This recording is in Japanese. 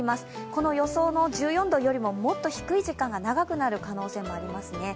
この予想の１４度よりももっと低い時間が長くなる可能性もありますね。